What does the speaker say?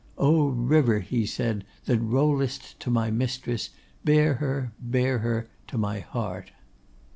'O river!' he said, 'that rollest to my mistress, bear her, bear her my heart!